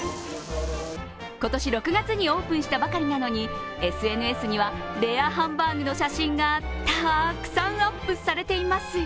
今年６月にオープンしたばかりなのにＳＮＳにはレアハンバーグの写真がたくさんアップされています。